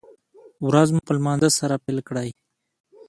ورځ مو په لمانځه سره پیل کړئ